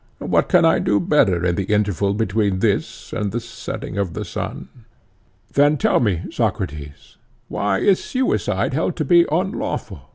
What can I do better in the interval between this and the setting of the sun? Then tell me, Socrates, why is suicide held to be unlawful?